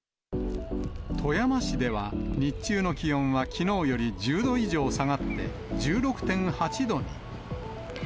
富山市では、日中の気温はきのうより１０度以上下がって、１６．８度に。